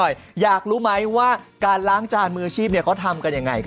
ดูเรื่องนี้หน่อยอยากรู้ไหมว่าการล้างจานมือชีพเขาทำกันอย่างไรกัน